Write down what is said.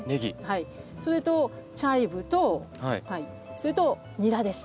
それとチャイブとそれとニラです。